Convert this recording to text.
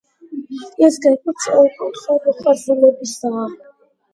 ის გეგმით სწორკუთხა მოხაზულობისაა.